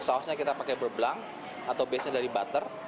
sausnya kita pakai beurre blanc atau biasanya dari butter